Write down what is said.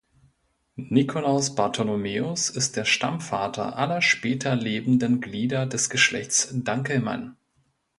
Nikolaus Bartholomäus ist der Stammvater aller später lebenden Glieder des Geschlechts Danckelman.